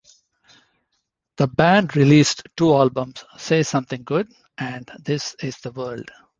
The band released two albums, "Say Something Good" and "This Is The World".